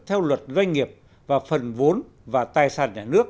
theo luật doanh nghiệp và phần vốn và tài sản nhà nước